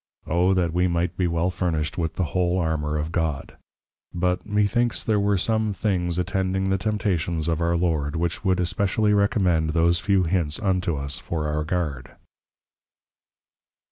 O that we might be well furnished with the Whole Armour of God! But me thinks, there were some things attending the Temptations of our Lord, which would especially Recommend those few Hints unto us for our Guard.